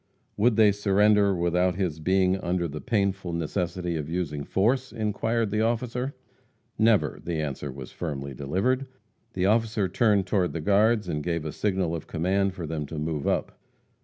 Would they surrender without his being under the painful necessity of using force, inquired the officer. "Never!" The answer was firmly delivered. The officer turned to the guards, and gave a signal of command for them to move up.